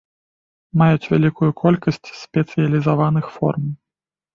Маюць вялікую колькасць спецыялізаваных форм.